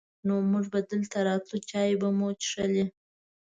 نو مونږ به دلته راتلو، چای به مو چښلې.